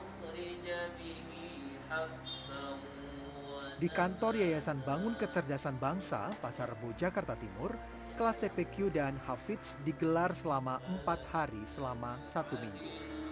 hai di kantor yayasan bangun kecerdasan bangsa pasar rebo jakarta timur kelas tpq dan hafiz digelar selama empat hari selama satu minggu